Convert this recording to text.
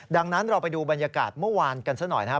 ดังนั้นเราไปดูบรรยากาศเมื่อวานกันสักหน่อยด่า